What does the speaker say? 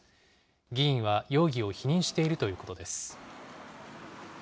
議員は容疑を否認しているということです。